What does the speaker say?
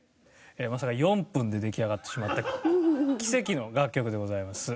まさか４分で出来上がってしまった奇跡の楽曲でございます。